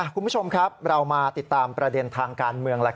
คุณผู้ชมครับเรามาติดตามประเด็นทางการเมือง